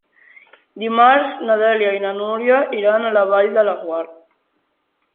Dimarts na Dèlia i na Núria iran a la Vall de Laguar.